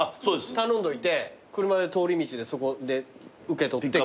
頼んどいて車で通り道でそこで受け取って。